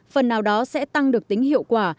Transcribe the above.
phần nào đó sẽ tăng được tính hiệu quả